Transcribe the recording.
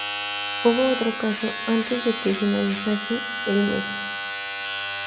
Hubo otro caso antes de que finalizase el mes.